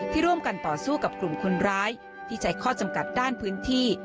ที่ร่วมกันต่อสู้กับกลุ่มคนร้ายที่ใช้ข้อจำกัดด้านพื้นที่